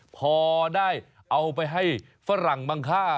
พอได้เอาไปให้ฝรั่งบางค่า